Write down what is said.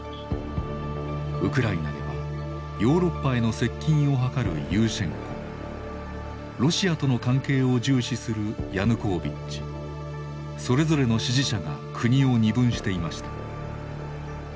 ウクライナではヨーロッパへの接近を図るユーシェンコロシアとの関係を重視するヤヌコービッチそれぞれの支持者が国を二分していました。